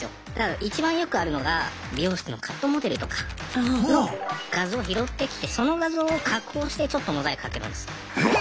いちばんよくあるのが美容室のカットモデルとかの画像を拾ってきてその画像を加工してちょっとモザイクかけるんです。